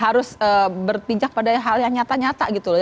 harus berpijak pada hal yang nyata nyata gitu loh